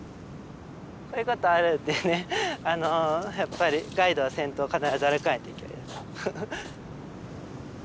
こういうことあるんでねやっぱりガイドは先頭を必ず歩かないといけないです。